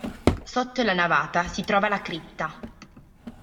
Sotto la navata si trova la cripta.